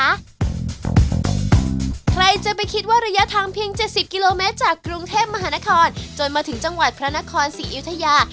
ใครจะไปคิดว่าระยะทางเพียง๗๐กิโลเมตรจากกรุงเทพมหานครจนมาถึงจังหวัดพระนครศรีอยุธยา